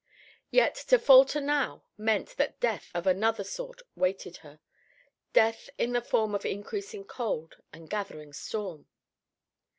Yet to falter now meant that death of another sort waited her; death in the form of increasing cold and gathering storm.